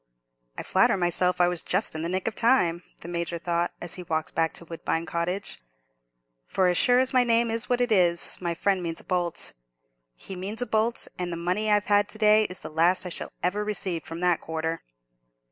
"I flatter myself I was just in the nick of time," the Major thought, as he walked back to Woodbine Cottage, "for as sure as my name's what it is, my friend means a bolt. He means a bolt; and the money I've had to day is the last I shall ever receive from that quarter."